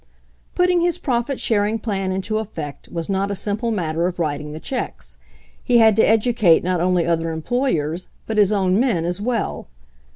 Putting his profit sharing plan into effect was not a simple matter of writing the checks. He had to educate not only other employers, but his own men as well.